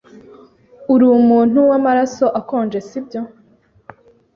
Urumuntu wamaraso akonje, sibyo?